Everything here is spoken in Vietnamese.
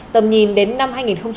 tầm nhìn đến năm hai nghìn ba mươi